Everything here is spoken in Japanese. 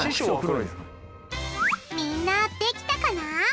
みんなできたかな？